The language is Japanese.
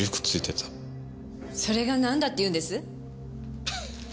それがなんだっていうんです？